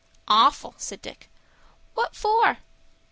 "Awful," said Dick. "What for?"